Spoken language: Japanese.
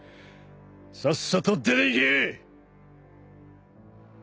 さっさと出ていけ！